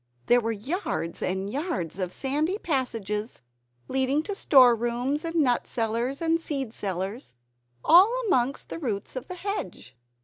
There were yards and yards of sandy passages, leading to store rooms and nut cellars and seed cellars, all amongst the roots of the hedge.